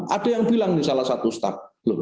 ada yang bilang ini salah satu stak